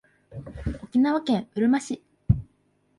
沖縄県うるま市